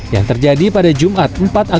yang terjadi pada jumat